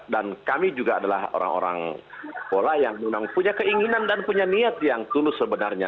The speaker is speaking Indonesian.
dan kami juga adalah orang orang bola yang memang punya keinginan dan punya niat yang tulus sebenarnya